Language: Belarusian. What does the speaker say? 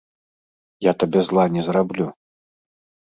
Я табе зла не зраблю.